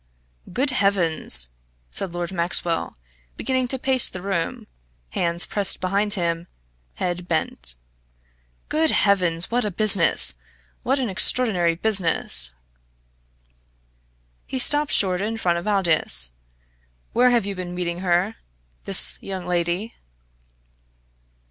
"Good heavens!" said Lord Maxwell, beginning to pace the room, hands pressed behind him, head bent. "Good heavens! what a business! what an extraordinary business!" He stopped short in front of Aldous. "Where have you been meeting her this young lady?"